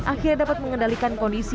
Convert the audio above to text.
akhirnya dapat mengendalikan kondisi